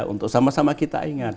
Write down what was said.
untuk sama sama kita ingat